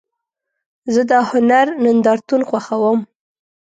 زه د هنر نندارتون خوښوم.